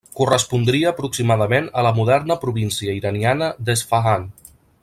Correspondria aproximadament a la moderna província iraniana d'Esfahan.